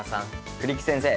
栗木先生。